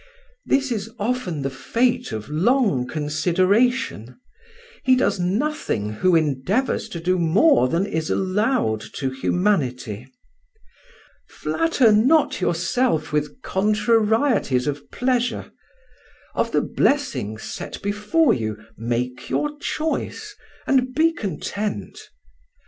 This is often the fate of long consideration; he does nothing who endeavours to do more than is allowed to humanity. Flatter not yourself with contrarieties of pleasure. Of the blessings set before you make your choice, and be content.